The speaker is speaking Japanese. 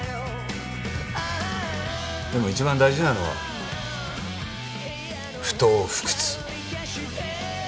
でも一番大事なのは不撓不屈。